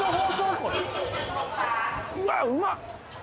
これうわうまっ！